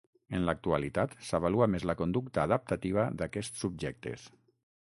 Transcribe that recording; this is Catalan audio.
En l'actualitat, s'avalua més la conducta adaptativa d'aquests subjectes.